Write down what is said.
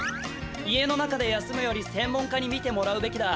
家の中で休むよりせん門家にみてもらうべきだ。